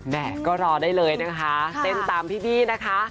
แม่ก็รอได้เลยนะคะเต้นตามพี่บี้นะคะ